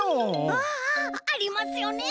ああああありますよね